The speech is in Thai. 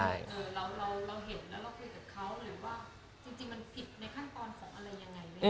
เราเห็นแล้วเราคุยกับเขาเลยว่า